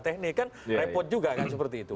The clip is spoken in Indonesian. teknik kan repot juga kan seperti itu